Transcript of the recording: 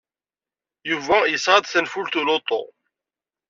Yuba yesɣa-d tanfult n uluṭu.